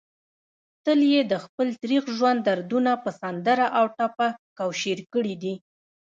تل يې دخپل تريخ ژوند دردونه په سندره او ټپه کوشېر کړي دي